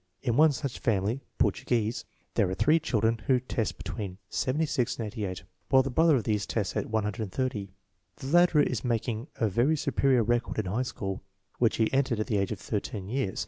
In one such family (Portuguese) there are three children who test between 76 and 88, while a brother of these tests at 130. The latter is making a very superior record in high school, which he entered at the age of thirteen years.